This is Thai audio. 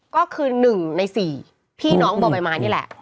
ก็คือหนึ่งในสี่พี่น้องบอกไปมานี่แหละ